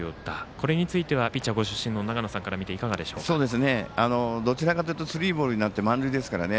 これについてはピッチャーご出身の長野さんから見てどちらかというとスリーボールになって満塁ですからね。